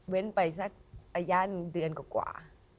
เว้นไปสักอายานเดือนกว่า